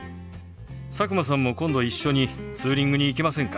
佐久間さんも今度一緒にツーリングに行きませんか？